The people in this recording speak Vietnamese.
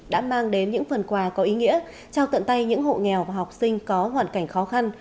đã mang đến những phần quà có ý nghĩa trao tận tay những hộ nghèo và học sinh có hoàn cảnh khó khăn